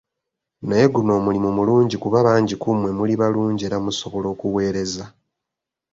Naye guno omulimu mulungi kuba bangi ku mmwe muli balungi era musobola okuweereza.